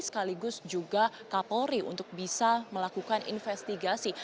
sekaligus juga kapolri untuk bisa melakukan investigasi